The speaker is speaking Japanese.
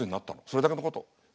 それだけのこと。